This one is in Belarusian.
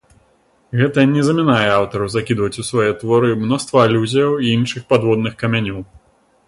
Гэта не замінае аўтару закідваць у свае творы мноства алюзіяў і іншых падводных камянёў.